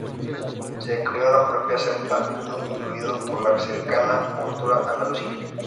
Se crio en la propia Ceuta, muy influido por la cercana cultura andalusí.